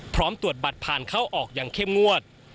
พร้อมตรวจบัตรผ่านเข้าออกอย่างเข้มงวด